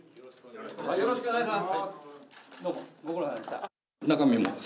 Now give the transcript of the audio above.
よろしくお願いします。